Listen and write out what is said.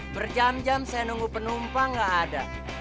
berjam jam saya nunggu penumpang nggak ada